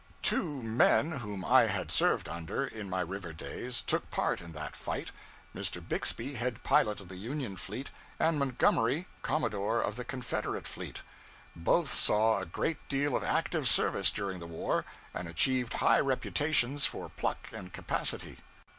Two men whom I had served under, in my river days, took part in that fight: Mr. Bixby, head pilot of the Union fleet, and Montgomery, Commodore of the Confederate fleet. Both saw a great deal of active service during the war, and achieved high reputations for pluck and capacity.